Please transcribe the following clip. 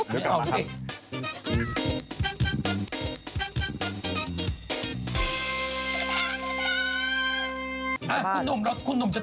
ไม่เอาค่ะ